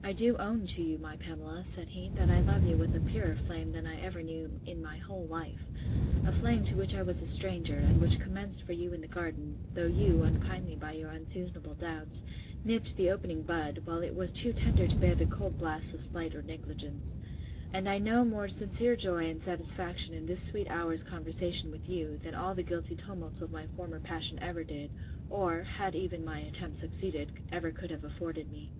I do own to you, my Pamela, said he, that I love you with a purer flame than ever I knew in my whole life; a flame to which I was a stranger; and which commenced for you in the garden; though you, unkindly, by your unseasonable doubts, nipped the opening bud, while it was too tender to bear the cold blasts of slight or negligence. And I know more sincere joy and satisfaction in this sweet hour's conversation with you, than all the guilty tumults of my former passion ever did, or (had even my attempts succeeded) ever could have afforded me.